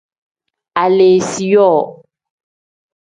Aleesiyoo.